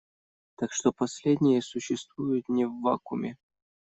Так что последние существуют не в вакууме.